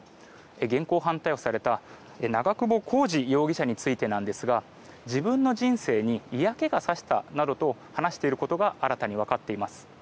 現行犯逮捕された長久保浩二容疑者についてなんですが自分の人生に嫌気が差したなどと話していることが新たにわかっています。